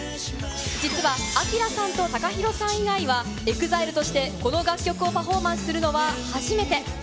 実はＡＫＩＲＡさんとＴＡＫＡＨＩＲＯさん以外はＥＸＩＬＥとしてこの楽曲をパフォーマンスするのは初めて。